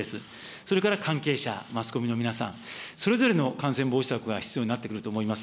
それから関係者、マスコミの皆さん、それぞれの感染防止策が必要になってくると思います。